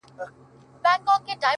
ځوان د پوره سلو سلگيو څه راوروسته ـ